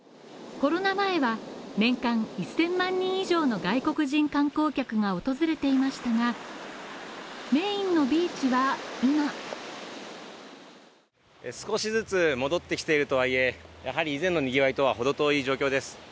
コロナ前は年間１０００万人以上の外国人観光客が訪れていましたが、メインのビーチは今少しずつ戻ってきているとはいえ、やはり以前の賑わいとは程遠い状況です。